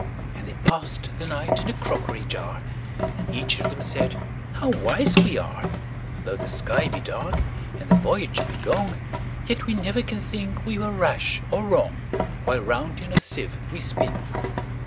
And they pass'd the night in a crockery jar; And each of them said, "How wise we are! Though the sky be dark, and the voyage be long, Yet we never can think we were rash or wrong, While round in our sieve we spin."